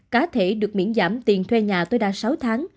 cá thể được miễn giảm tiền thuê nhà tối đa sáu tháng